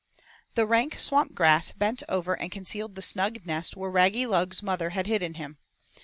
I The rank swamp grass bent over and concealed the snug nest where Raggylug's mother had hidden him.